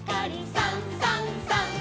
「さんさんさん」